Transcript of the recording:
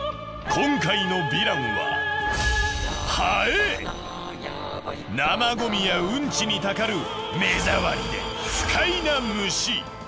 今回のヴィランは生ゴミやウンチにたかる目障りで不快な虫。